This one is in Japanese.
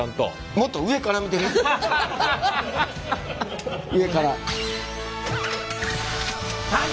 もっと上から見てみ上から。